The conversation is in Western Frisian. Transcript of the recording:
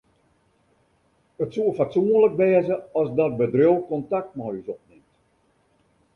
It soe fatsoenlik wêze as dat bedriuw kontakt mei ús opnimt.